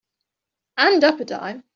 And up a dime.